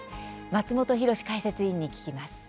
松本浩司解説委員に聞きます。